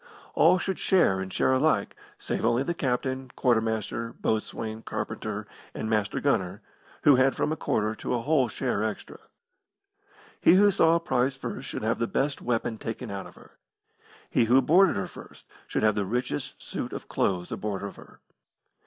All should share and share alike, save only the captain, quartermaster, boatswain, carpenter, and master gunner, who had from a quarter to a whole share extra. He who saw a prize first should have the best weapon taken out of her. He who boarded her first should have the richest suit of clothes aboard of her.